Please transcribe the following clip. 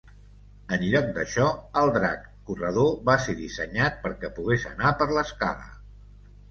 En lloc d'això, el drac corredor va ser dissenyat perquè pogués anar per l'escala.